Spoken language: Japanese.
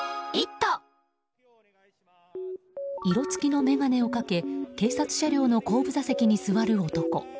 色つきの眼鏡をかけ警察車両の後部座席に座る男。